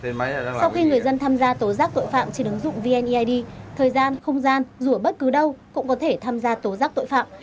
sau khi người dân tham gia tố giác tội phạm trên ứng dụng vneid thời gian không gian dù ở bất cứ đâu cũng có thể tham gia tố giác tội phạm